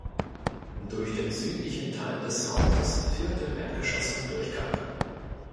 Durch den südlichen Teil des Hauses führt im Erdgeschoss ein Durchgang.